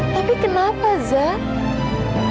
tapi kenapa zat